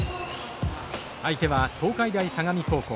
相手は東海大相模高校。